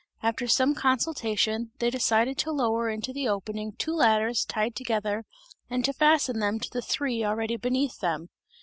After some consultation, they decided to lower into the opening two ladders tied together and to fasten them to the three already beneath them.